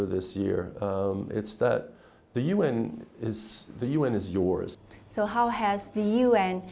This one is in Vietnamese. để hợp tác với những người dân